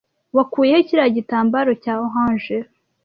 Wakuye he kiriya gitambaro cya orange?